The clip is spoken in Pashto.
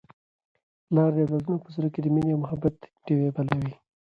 پلار د اولاد په زړه کي د مینې او محبت ډېوې بلوي.